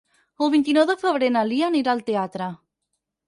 El vint-i-nou de febrer na Lia anirà al teatre.